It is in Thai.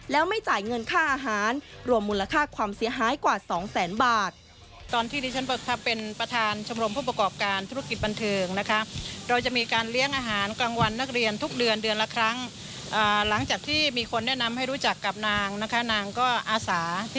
แล้วไม่จ่ายเงินค่าอาหารรวมมูลค่าความเสียหายกว่า๒แสนบาท